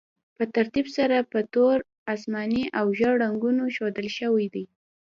په ترتیب سره په تور، اسماني او ژیړ رنګونو ښودل شوي دي.